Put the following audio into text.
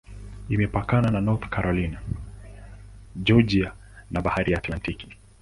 Imepakana na North Carolina, Georgia na Bahari ya Atlantiki.